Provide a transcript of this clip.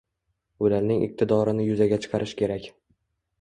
Ularning iqtidorini yuzaga chiqarish kerak.